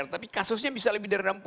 tapi kasusnya bisa lebih dari enam puluh